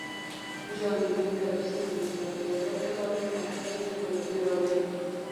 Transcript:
جان مې نن ګرم سر ولسوالۍ بازار ته لاړم او تاته مې ګلابي راوړې.